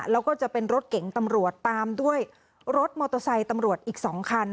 แล้วก็จะเป็นรถเก๋งตำรวจตามด้วยรถมอเตอร์ไซค์ตำรวจอีก๒คัน